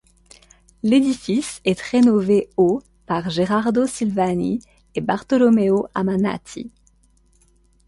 L'édifice est rénové au par Gherardo Silvani et Bartolomeo Ammannati.